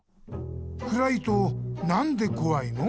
くらいとなんでこわいの？